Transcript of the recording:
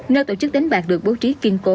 nơi tổ chức đánh bạc được bố trí kiên cố